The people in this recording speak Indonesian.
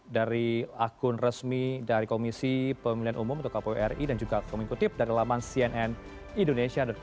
dari akun resmi dari komisi pemilihan umum atau kpu ri dan juga kami kutip dari laman cnnindonesia com